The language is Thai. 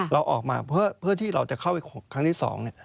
เราออกมาเพื่อที่เราจะเข้าไปครั้งที่สองเนี่ย